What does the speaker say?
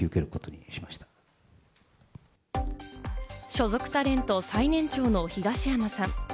所属タレント最年長の東山さん。